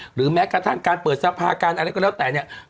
หรือแม้กระทั่งการเปิดสภาการอะไรก็แล้วแต่เนี่ย